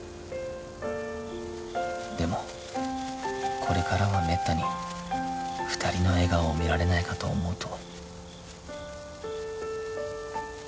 でもこれからはめったに２人の笑顔を見られないかと思うと